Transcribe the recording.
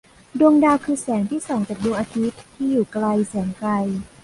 ดวงดาวคือแสงที่ส่องจากดวงอาทิตย์ที่อยู่ไกลแสนไกล